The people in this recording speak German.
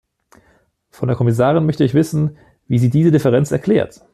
Von der Kommissarin möchte ich wissen, wie sie diese Differenz erklärt?